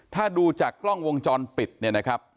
ถ้าดูจากกล้องวงจรปิดเนี่ยนะครับ